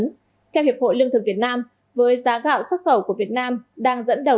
theo hiệp hội lương thực việt nam với giá gạo xuất khẩu của việt nam đang dẫn đầu